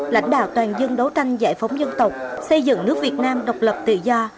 lãnh đạo toàn dân đấu tranh giải phóng dân tộc xây dựng nước việt nam độc lập tự do